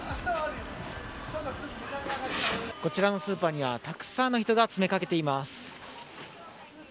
こちらのスーパーにはたくさんの人が詰めかけています。